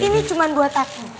ini cuma dua taku